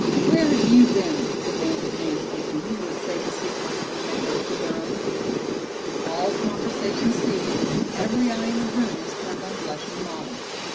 "Where have you been?" demanded Nance Oldham, who had saved a seat for her roommate next to her own. All conversation ceased, and every eye in the room was turned on blushing Molly.